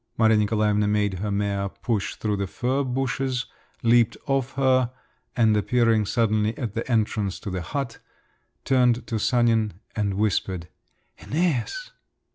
Maria Nikolaevna made her mare push through the fir bushes, leaped off her, and appearing suddenly at the entrance to the hut, turned to Sanin, and whispered "Æneas."